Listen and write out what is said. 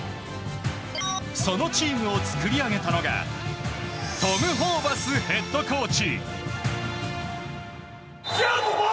そのチームを作り上げたのがトム・ホーバスヘッドコーチ。